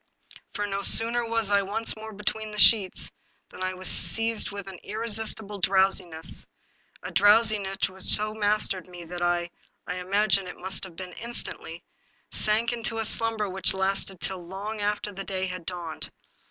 For no sooner was I once more between the sheets than I was seized with an irresistible drowsiness, a drowsiness which so mastered me that I — I imagine it must have been instantly — sank into slumber which lasted till long after day had dawned.